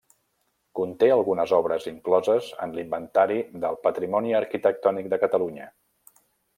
Conté algunes obres incloses en l'Inventari del Patrimoni Arquitectònic de Catalunya.